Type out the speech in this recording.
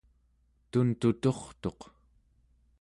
tuntuturtuq